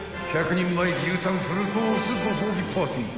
［１００人前牛タンフルコースご褒美パーティー］